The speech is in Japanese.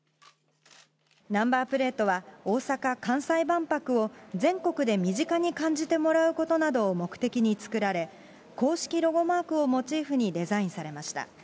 ナンバープレートは、大阪・関西万博を全国で身近に感じてもらうことなどを目的に作られ、公式ロゴマークをモチーフにデザインされました。